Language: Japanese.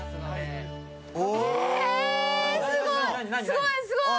すごいすごい！